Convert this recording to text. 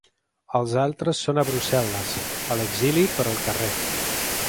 Els altres són a Brussel·les, a l’exili però al carrer.